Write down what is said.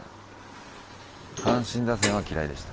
阪神打線は嫌いでした。